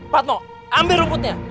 patmo ambil rumputnya